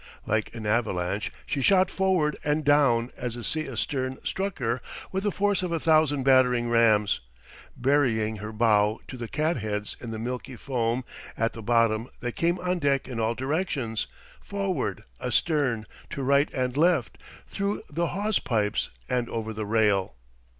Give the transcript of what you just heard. Like an avalanche, she shot forward and down as the sea astern struck her with the force of a thousand battering rams, burying her bow to the cat heads in the milky foam at the bottom that came on deck in all directions—forward, astern, to right and left, through the hawse pipes and over the rail.